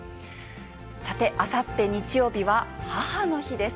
さて、あさって日曜日は母の日です。